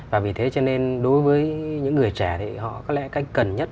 và vì thế cho nên đối với những người trẻ thì họ có lẽ cách cần nhất